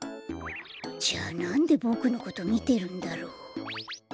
じゃあなんでボクのことみてるんだろう？